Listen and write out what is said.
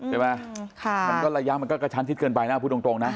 ใช่ไหมมันก็ระยะมันก็กระชั้นชิดเกินไปนะพูดตรงนะ